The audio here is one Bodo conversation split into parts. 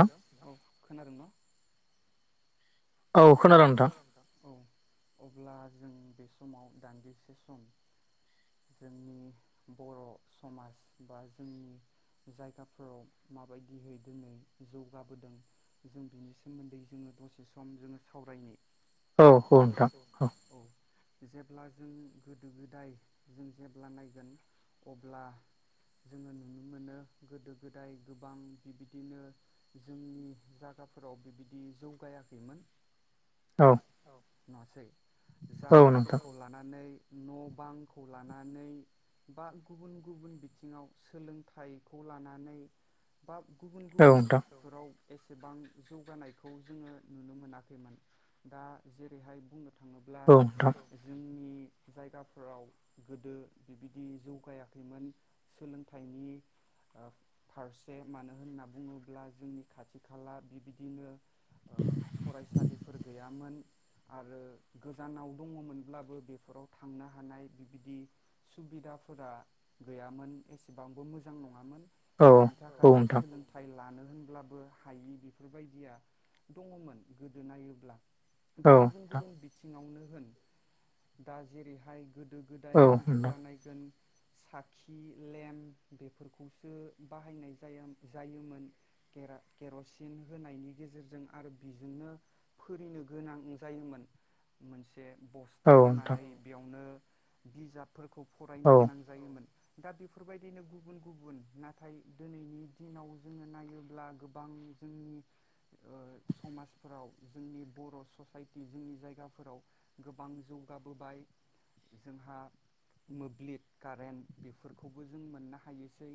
हेल'। औ। खोनादों ना? औ खोनादोंथां। औ। अब्ला जों बे समाव दान्दिसे सम जोंनि बर' समाज बा जोंनि जायगाफोराव माबायदिहै दिनै जौगाबोदों जों बिनि सोमोन्दै जोङो दसे सम जोङो सावरायनि। औ औ नोंथां। जेब्ला जों गोदो गोदाय जों जेब्ला नायगोन अब्ला जोङो नुनो मोनो गोदो गोदाय गोबां बिबायदिनो जोंनि जागाफोराव बिबायदि जौगायाखैमोन। औ। नङासै। जागाफोरखौ लानानै न' बांखौ लानानै बा गुबुन गुबुन बिथिङाव सोलोंथाइखौ लानानै बा गुबुन गुबुन बेफोराव एसेबां जौगानायखौ जोङो नुनो मोनाखैमोन दा जेरैहाय बुंनो थाङोब्ला जोंनि जायगाफोराव गोदो बिबायदि जौगायाखैमोन सोलोंथाइनि फारसे मानो होनना बुङोब्ला जोंनि खाथि खाला बिबायदिनो फरायसालिफोर गैया। [unintelligible] आरो गोजानाव दङमोनब्लाबो बेफोराव थांनो हानाय बिबायदि सुबिदाफोरा गैयामोन एसेबांबो मोजां नङामोन। बिनि थाखाय सोलोंथाइ लानो होनब्लाबो हायि बेफोरबायदिया दङमोन गोदो नायोब्ला। बा गुबुन गुबुन बिथिङावनो दा जेरैहाय गोदो गोदाय जों जेब्ला नायगोन साखि लेम्प बेफोरखौसो बाहायनाय जायोमोन केर'सिन होनायनि गेजेरजों आरो बेजोंनो थानो गोनां जायोमोन मोनसे एसे बस्था बनानै बेयावनो बिजाब फोरखौ फरायनो गोनां जायोमोन। दा बेफोरबायदिनो गुबुन गुबुन नाथाय दिनैनि दिनाव जोङो नायोब्ला गोबां जोंनि समाजफोराव जोंनि बर' ससाइटि जोंनि जायगाफोराव गोबां जौगाबोबाय। जोंहा मोब्लिब कारेन्ट बेफोरखौबो जों मोननो हायोसै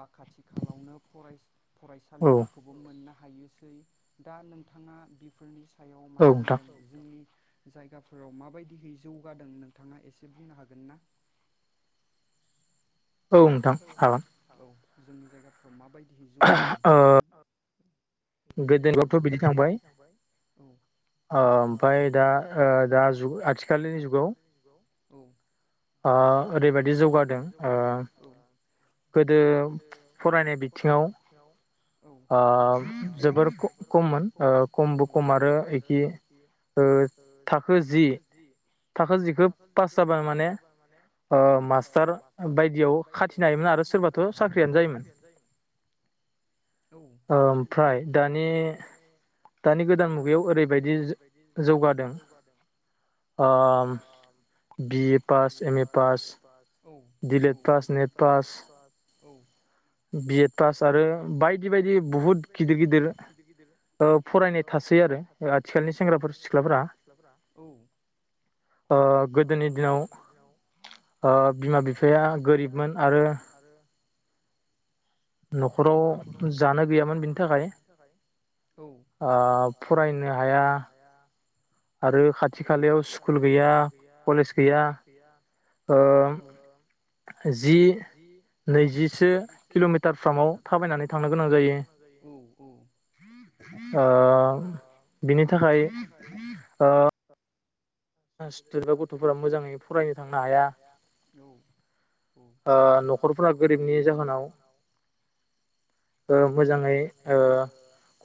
बा खाथि खालावनो फराय फरायसालिफोरखौबो मोननो हायो। दा नोंथाङा बेफोरनि सायाव मा [inaudible] जायगाफोराव माबायदियै जौगादों नोंथाङा एसे बुंनो हागोन ना? औ नोंथां हागोन। जोंनि जायगाफ्राव माबायदि बि जौगादों गोदोनि जुगावथ' बिदि थांबाय ओ ओमफ्राय दा ओ था आथिखालनि जुगाव औ। आ ओरैबायाददि जौगादों ओ गोदो फरायनाय बिथिङाव ओ जोबोर खममोन ओ खमबो खम आरो एखि ओ थाखो जि थाखो जिखौ पास जाबानो माने ओ मासटार बायदि याव खाथिनो हायोमोन आरो सोरबाथ' साख्रियानो जायोमोन ओ ओमफ्राय दानि दानि गोदान मुगायाव ओरैबायदि जो जौगादों ओ B pass M A pass दिलेट पास नेट पास औ बि ए पास आरो बायदि बायदि बुहुत गिदिर गिदिर ओ फरायनाय थासै आरो ओ आथिखालनि सेंग्राफोर सिख्लाफोरा ओ गोदोनि दिनाव ओ बिमा बिफाया बिमा बिफाया गोरिबमोन आरो औ आरो खाथि खालायाव स्कुल गैया कलेज गैया ओ जि नैजिसो किल'मिटारफ्रामाव थाबायनानै थांनो गोनां जायो ओ बिनि थाखाय ओ [unintelligible] गथ'फोरा मोजाङै फरायनो थांनो हाया। औ ओ न'खरफोरा गोरिबनि जाहोनाव ओ मोजाङै ओ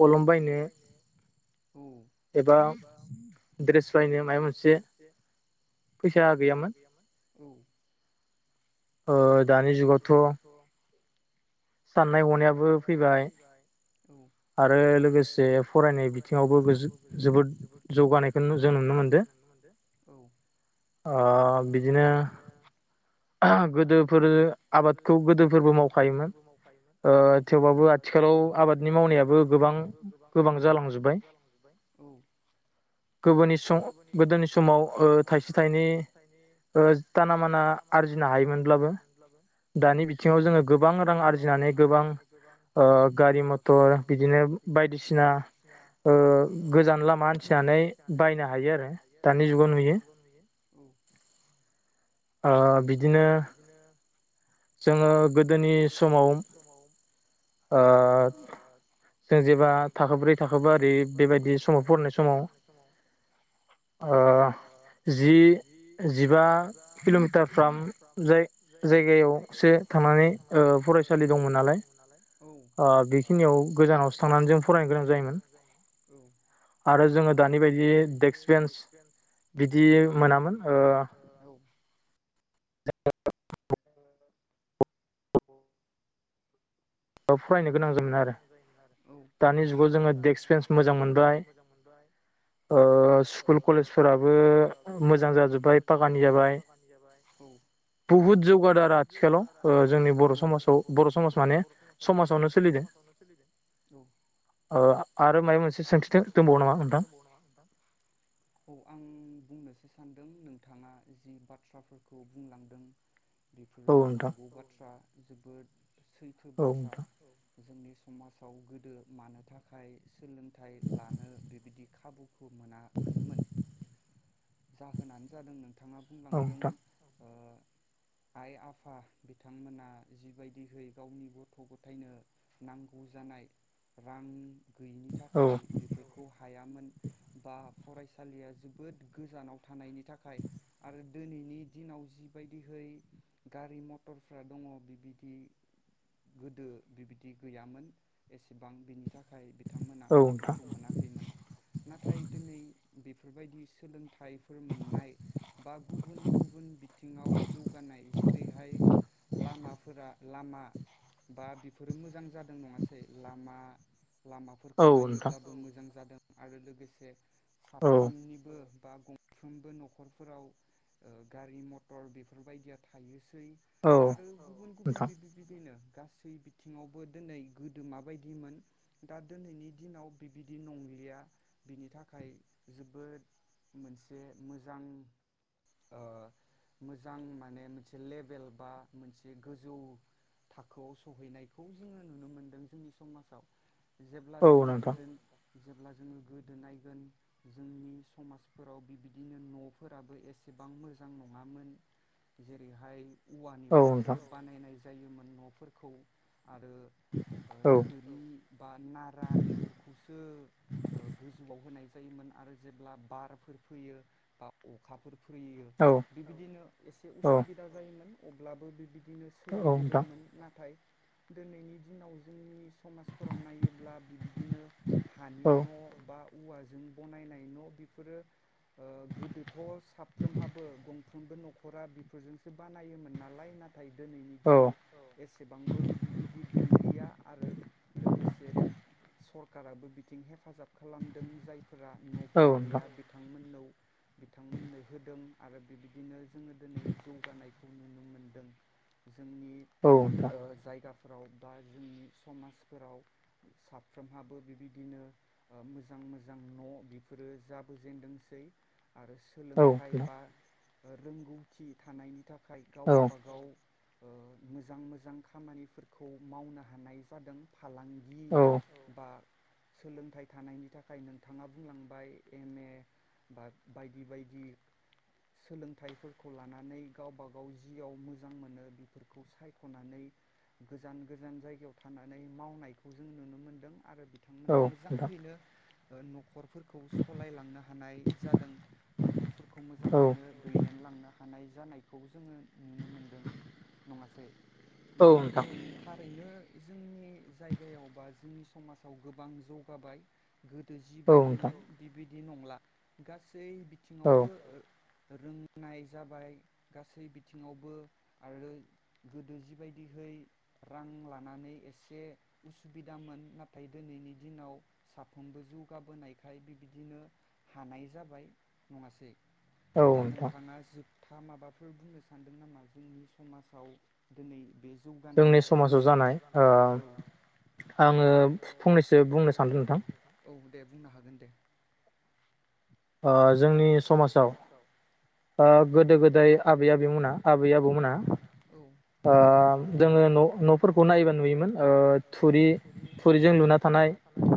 कलम बायनो एबा द्रेस बायनो मायबा मोनसे से फैसा गैयामोन औ ओ दानि जुगावथ' औ ओ बिदिनो गोदोफोर आबादखौ गोदोफोरबो मावखायोमोन। औ औ नानै गोबां ओ गारि मथर बिदिनो बायदिसिना ओ गोजान लामा हान्थिनानै बायनो हायो आरो दानि जुग [unintelligible] ओ बिदिनो जोङो गोदोनि समाव ओ जों जेबा थाखोब्रै थाखोबा ओरि बेबायदि समाव फरायनाय समाव ओ जि जिबा किल'मिटार फ्राम जाय जायगायाव औ औ औ [unintelligible] [inaudible] ओ फरायनो गोनां जायोमोन आरो औ औ दानि जुगाव जोङो देक्स बेन्स मोजां मोनबाय ओ स्कुल कलेजफोराबो मोजां जाजोब्बाय बागानि जाबाय औ बहुद जौगादों आरो आथिखालाव औ जोंनि बर' समाजाव बर' समाज माने समाजावनो सोलिदों औ ओ आरो माइबा मोनसे सोंखि दंबावो नामा नोंथां औ आं बुंनोसो सानदों नोंथाङा जि बाथ्राफोरखौ बुंलांदों बेफोरो नंगौ बाथ्रा। जोबोद। सैथो बाथ्रा। जोंनि समाजाव गोदो मानो थाखाय सोलोंथाइ लानो बेबायदि खाबु खौ मोनाखैमोन। जाहोनानै जादों नों थाङा बुंलांदों ओ आइ आफा बिथांमोना जिबायदिहै गावनि गथ' थायनो नांगौ जानाय रां गैयिनि थाखाय बेफोरखौ हाया। बा फरायसालिया जोबोद गोजानाव थानायनि थाखाय आरो दिनैनि दिनाव जिबायदिहै गारि मथरफ्रा दङ बिबायदि गोदो। बिबायदि गैयामोन एसेबां बिनि थाखाय। खाय बिथांमोना खाबुखौ मोनाखैमोन नाथाय दिनै। बेफोरबायदि सोलों थाइफोर मोननाय बा गुबुन गुबुन बिथिङाव जौगानाय जेरैहाय लामाफोरा लामा बाबि फोरो मोजां जादों। जों नङासै लामा लामाफोरखौ नायोब्लाबो मोजां जादों। आरो लोगोसे साफ्रोमनिब बा गंफ्रोमबो न'खरफोराव ओ गारि मथर बेफोरबायदिया थायो। सै आरो गुबुन गुबुन बिदिनो। गासै। बिथिङावबो दिनै गोदो माबायदिमोन दा दिनैनि दिनाव बिबायदि नंलिया बिनि थाखाय जोबोद मोनसे मोजां मोजां माने मोनसे लेभेल बा मोनसे गोजौ थाखोआव सहैनाय। खौ जोङो नुनो मोनदों जोंनि समाजाव। जेब्ला जोङो गोदो जेब्ला जोङो गोदो नायगोन जोंनि समाजफोराव बिबदिनो न'फोराबो एसेबां मोजां नङामोन जेरैहाय औवानिफ्रायसो बानायनाय जायोमोन न'फोरखौ। आरो थोरि बा नारा बेफोरखौसो गोजौआव होनाय जा थायोमोन आरो जेब्ला बारफोर फैयो बा अखाफोर फैयो बिबायदिनो एसे उसुबिदा जायोमोन। अब्लाबो बिदि। बिदिनो सोलिबोदोंमोन नाथाय। दोनैनि दिनाव जोंनि समाजफोराव नायोब्ला बिबिदिनो हानि न' बा औवाजों बनायनाय न' बेफोरो ओ गोदोथ' साफ्रोमहाबो गं फ्रोमबो न'खरा बेफोरजोंसो बानायोमोन नालाय ना थाय दोनैनि दिनाव औ एसेबांबो बि बिदि गैलिया आरो लोगोसे बि सरकाराबो बिथिं हेफाजाब खालामदों जाय फोरा न'फोर गैया बिथांमोननाव बिथांमोननो होदों आरो बेबिदिनो जोङो दिनै जौगानायखौ नुनो मोनदों। जोंनि ओ जायगा फोराव बा जोंनि समाजफोराव साफ्रोमहाबो बेबिदिनो मोजां मोजां न' बिफोरो जाबोजेनदोंसै। आरो सोलोंथाइ बा रोंगौथि थानायनि थाखाय थाखाय गावबा गाव ओ मोजां मोजां खामानिफोर खौ मावनो हानाय जादों। फालांगि औ बा सोलोंथाइ थानायनि थाखाय नोंथाङा बुंलांबाय एम ए बा बायदि बायदि सोलोंथाइफोरखौ लानानै गावबा गाव जियाव मोजां मोनो बेफोरखौ सायख'नानै गोजान गोजान जायगायाव थानानै मावनायखौ जों नुनो मोनदों। आरो बिथांमोना मोजांहैनो ओ न' न'खरफोरखौ सलायलांनो हानाय जादों न'खरफोरखौ मोजाङैनो दैदेनलांनो हानाय जानायखौ जोङो नुनो मोनदों नङासै? औ नोंथां। थारैनो जोंनि जायगायाव बा जोंनि समाजाव गोबां जौगाबाय। गोदो जिबायदिमोन बिबाय दि नंला गासै सै बिथिङावबो रोंनाय जाबाय गासै बिथिङावबो आरो गोदो जिबायदिहै रां लानानै एसे उसुबिदामोन नाथाय दोनैनि दिनाव साफ्रोमबो जौगाबोनायखाय बिबिदिनो हानाय जाबाय नङासै? दा नोंथाङा जोब था माबाफोर बुंनो सानदों नामा जोंनि समाजाव दोनै बे जोंनि समाजाव जानाय ओ आंङो फंनैसो बुंनो सानदों नोंथां। दे बुंनो हागोन दे ओ जोंनि समाजाव ओ गोदो गोदाय आबै आबैमोना आबै आबौमोना ओ जोङो जोङो न न'फोरखौ नायबा नुयोमोन ओ थुरि थुरिजों लुना थानाय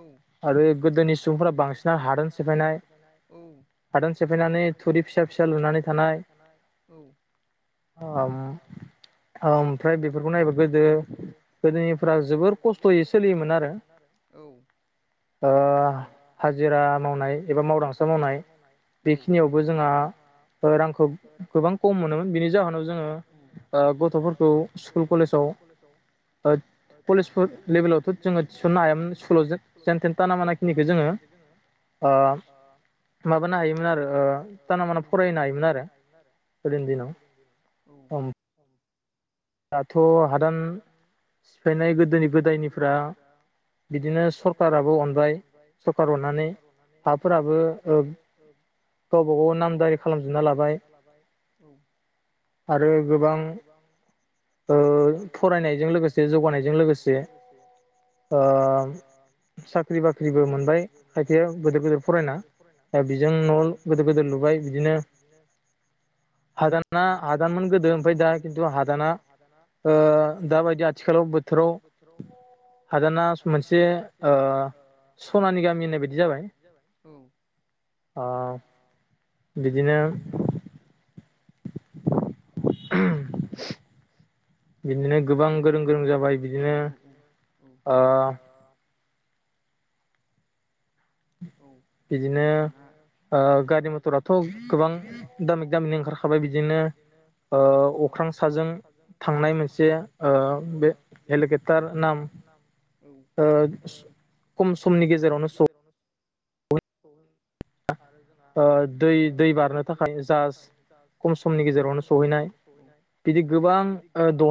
औ आरो गोदोनि सुबुंफोरा बांसिन हादान सेफायनाय औ हादान सेफायनानै थुरि फिसा फिसा लुनानै थानाय औ औ औ ओमफ्राय बेफोरखौ नायबो गोदो गोदोनिफ्रा जोबोर खस्थ'यै सोलियोमोन आरो औ ओ हाजिरा मावनाय एबा मावदांसा मावनाय बेखिनियावबो जोंहा रांखौ गोबां खम मोनोमोन बेनि जाहोनाव जोङो गथ' खौ स्कुल कलेजाव ओ कलेज लेभेलावथ' जोङो थिसननो हायामोन स्कुलाव जो औ औ दाथ' हादान सिफायनाय गोदोनि गोदायनिफ्रि बिदिनो सरखाराबो अनबाय औ सरखार अननानै हाफोराबो गावबा गाव नामजारि खालामजोबना लाबाय औ आरो गोबां ओ फरायनायजों लोगोसे जौगानायजों लोगोसे साख्रि बाख्रिबो मोनबाय खायफाया गोदोर गोदोर फरायना बेजों न' गोदोर गोदोर लुबाय बिदिनो हादाना हादानमोन गोदो ओमफ्राय दा खिन्थु हादाना ओ दाबायदि आथिखालाव बोथोराव हादाना मोनसे ओ सनानि गामि होननाय बायदि जाबाय आ बिदिनो [unintelligible] औ बिदिनो गोबां गोरों गोरों जाबाय औ औ औ बिदिनो ओ औ नोंथाङा उम गारि मथराथ' गोबां दामि दामि ओंखारखाबाय बिदिनो अख्रां साजों थांनाय मोनसे बे हेलिकप्टार नाम औ खम समनि गेजेरावनो [unintelligible] आरो जोंहा ओ दै दै बारनो थाखाय जाज औ खम समनि औ गेजेरावनो औ सहैनाय औ बिदि गोबां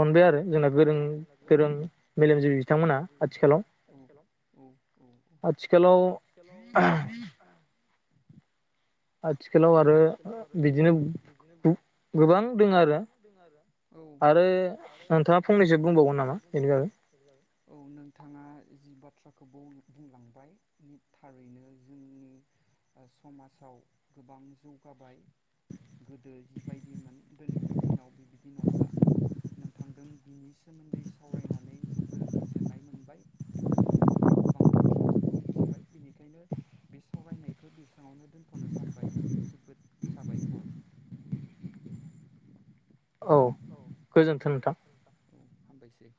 दहनबाय आरो औ जोंना गोरों गोरों मेलेमजिबि बिथांमोना औ औ आथिखालाव औ [unintelligible] आथिखालाव आरो बिदिनो गोबां दों आरो औ आरो नोंथाङा फंनैसो बुंबावगोन नामा बेनि बागै औ नोंथाङा जि बाथ्रा खौ बुंलांबाय थारैनो जोंनि समाजाव गोबां जौगाबाय गोदो जिबायदिमोन दिनैनि दिनाव बिबायदि नंला नोंथांदों बिनि सोमोन्दै सावरायनानै जोबोर गोजोननाय मोनबाय नोंथांनिफ्राय गोबां बाथ्राफोरखौ मिथिबाय बिनिखायनो बे सावरायनायखौ बेसाङावनो दोनथ'नोसै सानबाय जोबोद जोबोद साबायखर औ उम गोजोनथों नोंथां औ हामबायसै